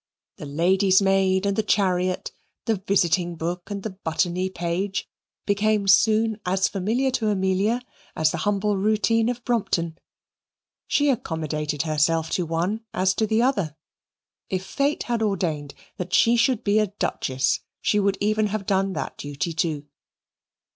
The lady's maid and the chariot, the visiting book and the buttony page, became soon as familiar to Amelia as the humble routine of Brompton. She accommodated herself to one as to the other. If Fate had ordained that she should be a Duchess, she would even have done that duty too.